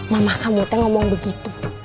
mama kamu ngomong begitu